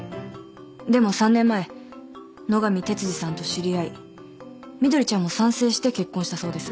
でも３年前野上哲司さんと知り合い碧ちゃんも賛成して結婚したそうです。